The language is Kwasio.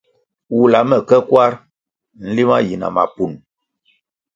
Wula me ke kwar nlima yi na mapun.